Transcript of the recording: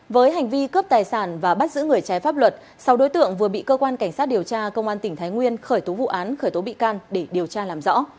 với hành vi cướp tài sản và bắt giữ người trái pháp luật sáu đối tượng vừa bị cơ quan cảnh sát điều tra công an tỉnh thái nguyên khởi tố vụ án khởi tố bị can để điều tra làm rõ